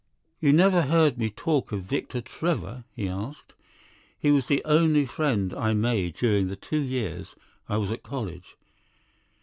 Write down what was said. "You never heard me talk of Victor Trevor?" he asked. "He was the only friend I made during the two years I was at college.